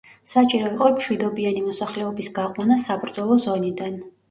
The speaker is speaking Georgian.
საჭირო იყო მშვიდობიანი მოსახლეობის გაყვანა საბრძოლო ზონიდან.